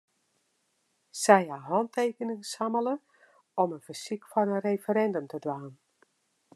Sy ha hantekeningen sammele om in fersyk foar in referindum te dwaan.